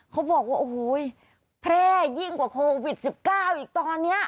เขาบอกว่าโอ้โหแพร่ยิ่งกว่าโควิด๑๙อีกตอนนี้